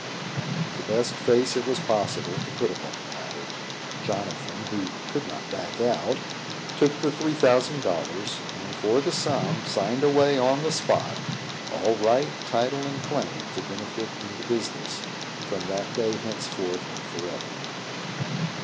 With the best face it was possible to put upon the matter, Jonathan, who could not back out, took the three thousand dollars, and, for that sum, signed away, on the spot, all right, title, and claim to benefit in the business, from that day henceforth and for ever.